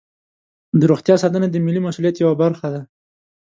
د روغتیا ساتنه د ملي مسؤلیت یوه برخه ده.